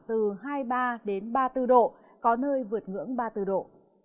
từ hai mươi ba đến ba mươi bốn độ có nơi vượt ngưỡng ba mươi bốn độ